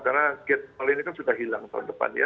karena gate malam ini kan sudah hilang tahun depan ya